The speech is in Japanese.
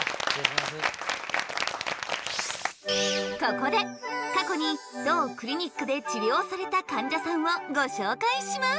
ここで過去に当クリニックで治療されたかんじゃさんをご紹介します。